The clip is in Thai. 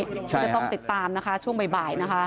ที่จะต้องติดตามช่วงบ่ายนะคะ